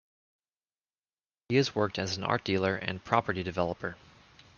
He has worked as an art dealer and property developer.